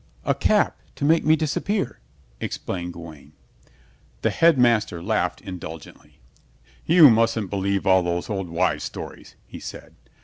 "A cap to make me disappear," explained Gawaine. The Headmaster laughed indulgently. "You mustn't believe all those old wives' stories," he said.